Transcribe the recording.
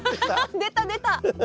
出た出た！